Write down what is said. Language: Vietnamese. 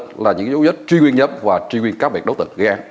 đó là những cái dấu vết truy nguyên nhấm và truy nguyên cáo biệt đối tượng gây an